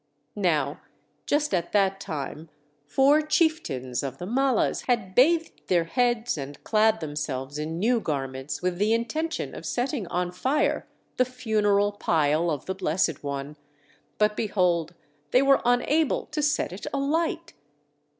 Now just at that time four chieftains of the Mallas had bathed their heads and clad themselves in new garments with the intention of setting on fire the funeral pile of the Blessed One. But, behold, they were unable to set it alight!